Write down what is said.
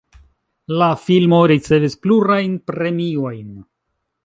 La filmo ricevis plurajn premiojn.